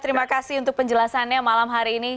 terima kasih untuk penjelasannya malam hari ini